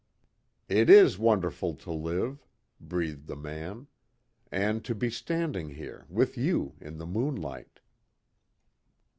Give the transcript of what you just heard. "It is wonderful to live," breathed the man, "And to be standing here with you in the moonlight."